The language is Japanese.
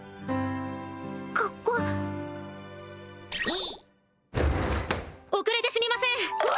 かかっこいい遅れてすみません！